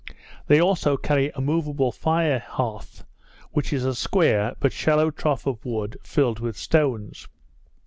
They also carry a moveable fire hearth, which is a square, but shallow trough of wood, filled with stones.